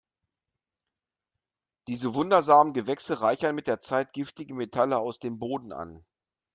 Diese wundersamen Gewächse reichern mit der Zeit giftige Metalle aus dem Boden an.